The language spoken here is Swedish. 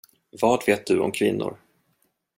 Vad vet du om kvinnor?